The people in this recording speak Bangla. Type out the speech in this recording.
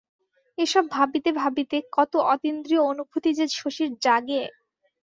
এসব ভাবিতে ভাবিতে কত অতীন্দ্রিয় অনুভূতি যে শশীর জাগে!